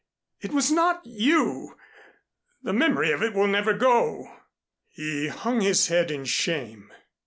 "It was not you! The memory of it will never go." He hung his head in shame.